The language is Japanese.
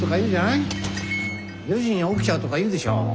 ４時に起きちゃうとか言うでしょ。